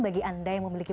pertanyaan yang terakhir